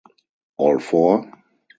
All four?